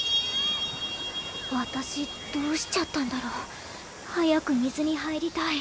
私どうしちゃったんだろう？早く水に入りたい。